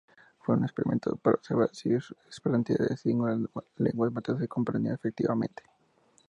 Fue un experimento para observar sí esperantistas de distintas lenguas maternas se comprendían efectivamente.